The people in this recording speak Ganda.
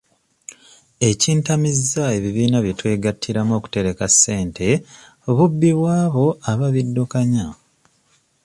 Ekintamizza ebibiina bye twegattiramu okutereka ssente bubbi bw'abo ababiddukanya.